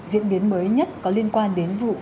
diễn biến mới nhất có liên quan đến vụ